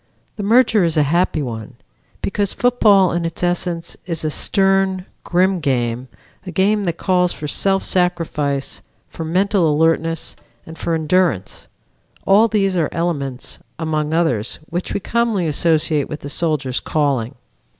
The merger is a happy one, because football in its essence is a stern, grim game, a game that calls for self sacrifice, for mental alertness and for endurance; all these are elements, among others, which we commonly associate with the soldier's calling.